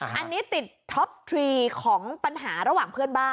อันนี้ติดท็อปทรีของปัญหาระหว่างเพื่อนบ้าน